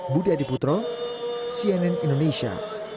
budi adiputro cnn indonesia